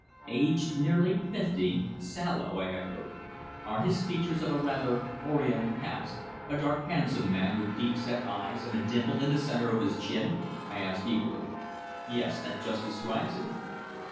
"Aged nearly fifty sallow?" I echoed. "Are his features of a rather Oriental cast a dark, handsome man with deep set eyes and a dimple in the centre of his chin?" I asked eagerly. "Yes. That just describes him."